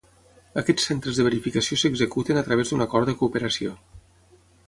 Aquests centres de verificació s'executen a través d'un acord de cooperació.